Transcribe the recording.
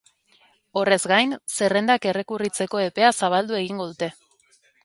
Horrez gain, zerrendak errekurritzeko epea zabaldu egingo dute.